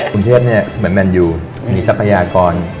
บ๊วยเตศเหมือนมันอยู่มีทรัพยากร